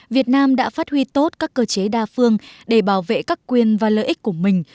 việt nam đã phát huy tốt các cơ chế đa phương để bảo vệ các quyền và lợi ích của mình